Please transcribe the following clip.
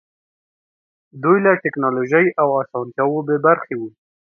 دوی له ټکنالوژۍ او اسانتیاوو بې برخې وو.